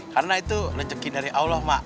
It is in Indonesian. karena itu rezeki dari allah mak